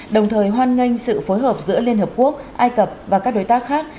đồng thời hoan nghênh sự phối hợp giữa liên hợp quốc ai cập và các đối tác khác